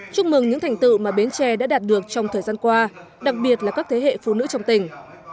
chúc mừng những thành tựu mà bến tre đã đạt được trong thời gian qua đặc biệt là các thế hệ phụ nữ trong tỉnh